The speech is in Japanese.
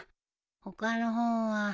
他の本は。